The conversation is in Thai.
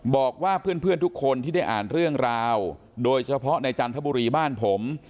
บอกว่าเพื่อนทุกคนที่ได้อ่านเรื่องราวโดยเฉพาะในจันทบุรีบ้านผม